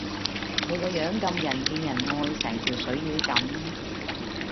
你個樣咁人見人愛，成條水魚咁